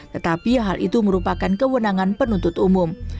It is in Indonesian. tetapi hal itu merupakan kewenangan penuntut umum